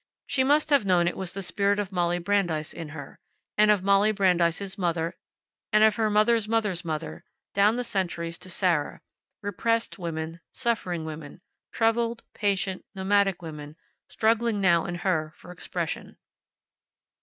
She must have known it was the spirit of Molly Brandeis in her, and of Molly Brandeis' mother, and of her mother's mother's mother, down the centuries to Sarah; repressed women, suffering women, troubled, patient, nomadic women, struggling now in her for expression.